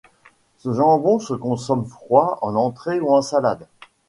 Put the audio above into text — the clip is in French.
Ce jambon se consomme froid en entrée ou en salade.